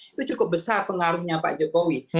itu cukup besar pengaruhnya pak jokowi